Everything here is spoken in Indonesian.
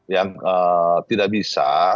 yang tidak bisa